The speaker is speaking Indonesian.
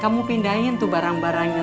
kamu pindahin tuh barang barangnya